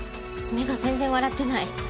目が全然笑ってない。